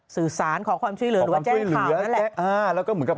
สื่อสารขอความช่วยเหลือหรือว่าแจ้งข่าวนั่นแหละ